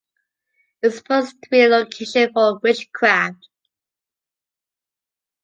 It's supposed to be a location for witchcraft.